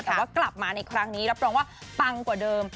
แต่ว่ากลับมาในครั้งนี้รับรองว่าปังกว่าเดิม